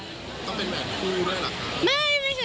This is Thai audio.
ก็เป็นแหวนคู่ด้วยหรอค่ะ